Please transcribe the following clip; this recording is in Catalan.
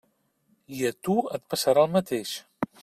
I a tu et passarà el mateix.